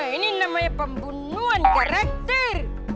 ini namanya pembunuhan karakter